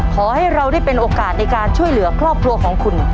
ขอให้เราได้เป็นโอกาสในการช่วยเหลือครอบครัวของคุณ